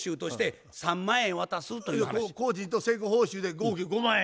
工賃と成功報酬で合計５万円。